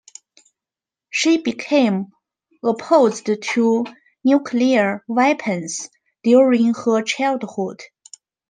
She became opposed to nuclear weapons during her childhood.